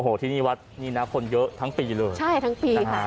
โอ้โหที่นี่วัดนี่นะคนเยอะทั้งปีเลยใช่ทั้งปีค่ะ